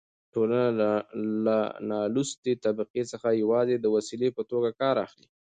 ټولنه له نالوستې طبقې څخه يوازې د وسيلې په توګه کار اخلي.